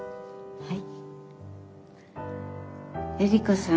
はい。